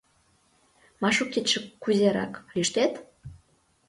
— Машукетше кузерак, лӱштет?